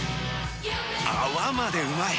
泡までうまい！